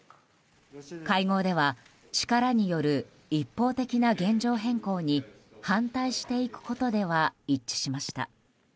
会合では力による一方的な現状変更に反対していくことでは一致しました。